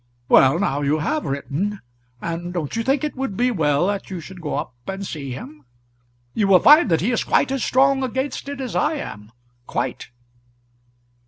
"Well, now you have written; and don't you think it would be well that you should go up and see him? You will find that he is quite as strong against it as I am, quite."